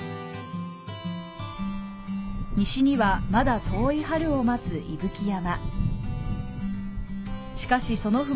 西にはまだ遠い春を待つ伊吹山。